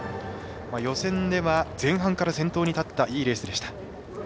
予選では、前半から先頭に立ったいいレースでした。